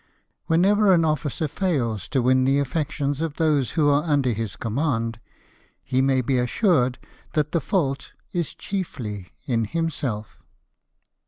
Whenever an officer fails to win the affections of those who are under his command, he may be assured that the fault is chiefly in himself.